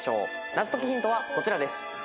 謎解きヒントはこちらです。